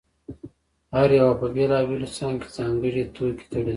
هر یوه په بېلابېلو څانګو کې ځانګړی توکی تولیداوه